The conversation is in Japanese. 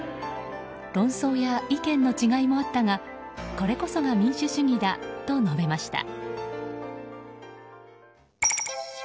論争や意見の違いもあったがこれこそが民主主義だと述べました。